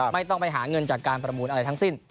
ไม่ต้องไปหาเงินจากการประมูลอะไรทั้งสิ้น